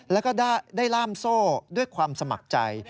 แล้วก็ได้ล่ามโซ่ด้วยความสมัครใจ